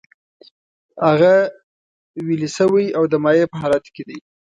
هغه ویلې شوی او د مایع په حالت کې دی.